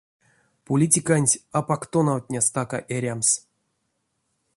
Политиканть апак тонавтне стака эрямс.